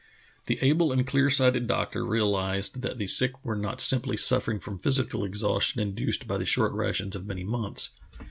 The able and clear sighted doctor realized that the sick were not simply suffering from physical exhaus tion induced by the short rations of many months.